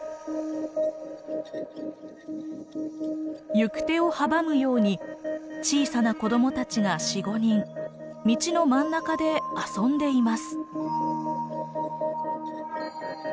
行く手を阻むように小さな子どもたちが４５人道の真ん中で遊んでいます。